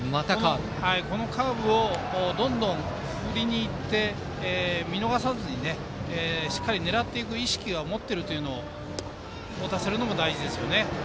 このカーブをどんどん振りに行って見逃さずにしっかり狙っていく意識を持たせるのも大事ですね。